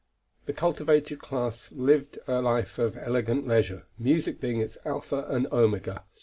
The cultivated class lived a life of elegant leisure, music being its alpha and omega.